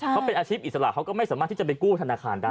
เขาเป็นอาชีพอิสระเขาก็ไม่สามารถที่จะไปกู้ธนาคารได้